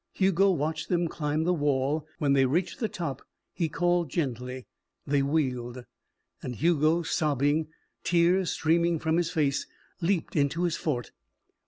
Hugo watched them climb the wall. When they reached the top, he called gently. They wheeled. And Hugo, sobbing, tears streaming from his face, leaped into his fort.